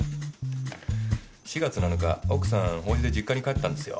４月７日奥さん法事で実家に帰ったんですよ。